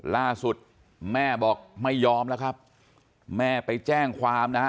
ล่าสุดแม่บอกไม่ยอมแล้วครับแม่ไปแจ้งความนะฮะ